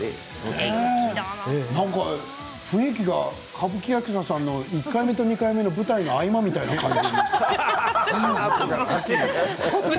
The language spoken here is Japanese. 雰囲気が歌舞伎役者さんの１回目と２回目の舞台の合間みたいな感じに。